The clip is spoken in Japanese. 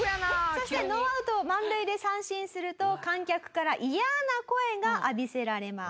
そしてノーアウト満塁で三振すると観客から嫌な声が浴びせられます。